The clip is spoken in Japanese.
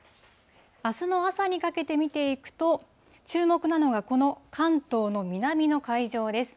あすの朝にかけて見ていくと、注目なのが、この関東の南の海上です。